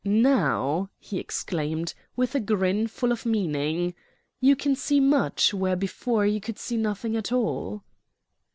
Now!" he exclaimed, with a grin full of meaning, "you can see much where before you could see nothing at all."